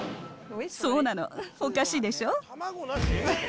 そうなの、おかしいでしょ。